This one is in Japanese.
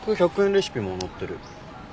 レシピも載ってる。